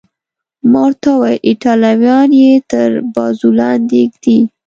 ما ورته وویل: ایټالویان یې تر بازو لاندې ږدي.